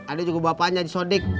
ada juga bapaknya di sodik